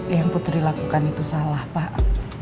yang putri lakukan itu salah pak